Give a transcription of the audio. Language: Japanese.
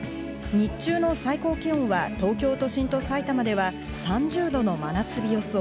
日中の最高気温は東京都心と埼玉では３０度の真夏日予想。